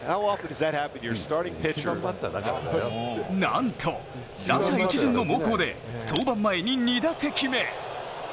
なんと打者一巡の猛攻で登板前に２打席目。